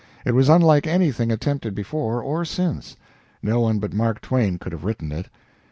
It was unlike anything attempted before or since. No one but Mark Twain could have written it.